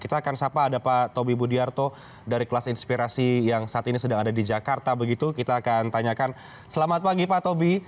kita akan sapa ada pak tobi budiarto dari kelas inspirasi yang saat ini sedang ada di jakarta begitu kita akan tanyakan selamat pagi pak tobi